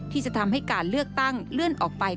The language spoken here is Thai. ที่จะทำให้การเลือกตั้งเลื่อนออกไป